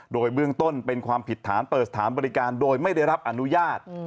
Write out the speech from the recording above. โดยเบื้องต้นเป็นความผิดฐานเปิดสถานบริการโดยไม่ได้รับอนุญาต